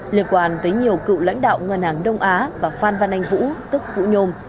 liên quan tới nhiều cựu lãnh đạo ngân hàng đông á và phan văn anh vũ tức vũ nhôm